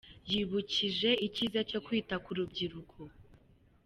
Yibukije icyiza cyo kwita ku rubyiruko.